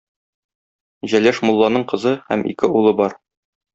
Җәләш мулланың кызы һәм ике улы бар.